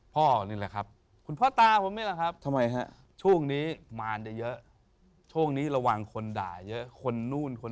พ่อนี่แหละครับคุณพ่อตาผมนี่แหละครับ